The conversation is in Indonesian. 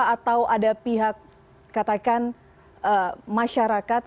atau ada pihak katakan masyarakat